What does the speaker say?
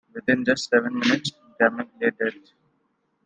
Within just seven minutes, Gammage lay dead.